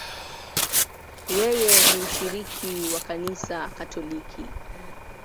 Yeye ni mshiriki wa Kanisa Katoliki.